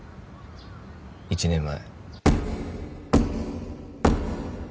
１年前